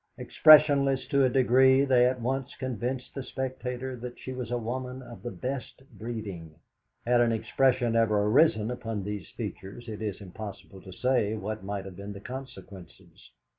Expressionless to a degree, they at once convinced the spectator that she was a woman of the best breeding. Had an expression ever arisen upon these features, it is impossible to say what might have been the consequences.